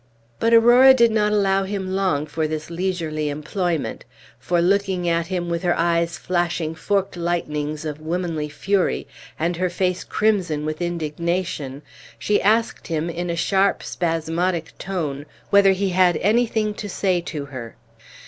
But Aurora did not allow him long for this leisurely employment; for, looking at him with her eyes flashing forked lightnings of womanly fury, and her face crimson with indignation, she asked him, in a sharp, spasmodic tone, whether he had anything to say to her.